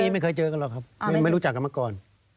ไม่เคยเจอกันหรอกครับไม่รู้จักกันมาก่อน